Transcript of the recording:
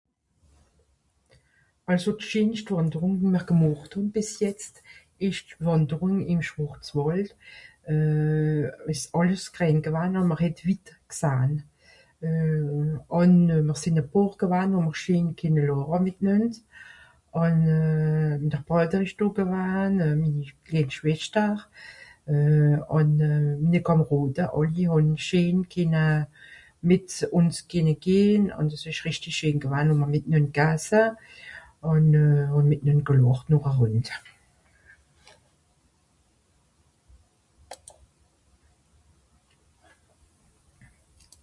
àlso d'scheenscht wànderùng wie mr gemàcht hàn bis jetz esch d'wànderùng ìm schwàrzwàld euh esch àlles grien gewann un mr het wit gsahn euh an mr sìn a paar gewann ùn hàn scheen kenne làche mìtnand ùn euh de brueder esch do gewann minni grescht schwìster euh àn .... àlli hàn scheen kenne mìt uns kenne gehn àlso esch rechti scheen gewann ùn mr han mìtnànd gasse ùn euh hàn mìtnànd gelàcht noch à rund